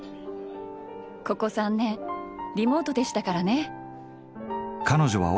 ここ３年リモートでしたからネ。